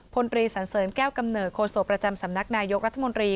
พลตรีสันเสริมแก้วกำเนิดโศกประจำสำนักนายกรัฐมนตรี